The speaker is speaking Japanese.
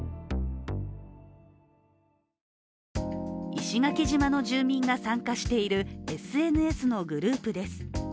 石垣島の住民が参加しているＳＮＳのグループです。